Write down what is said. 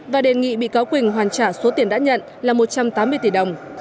và đề nghị bị cáo quỳnh hoàn trả số tiền đã nhận là một trăm tám mươi tỷ đồng